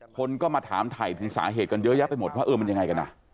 คนก็มาถามถ่ายถึงสาเหตุกันเยอะแยะไปหมดว่าเออมันยังไงกันอ่ะ